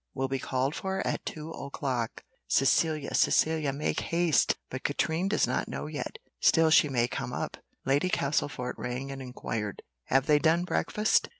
Will be called for at two o'clock." "Cecilia, Cecilia, make haste! But Katrine does not know yet Still she may come up." Lady Castlefort rang and inquired, "Have they done breakfast?"